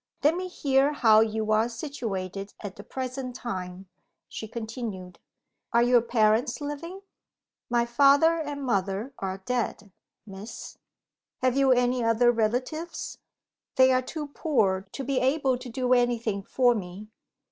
"Let me hear how you are situated at the present time," she continued. "Are your parents living?" "My father and mother are dead, Miss." "Have you any other relatives?" "They are too poor to be able to do anything for me.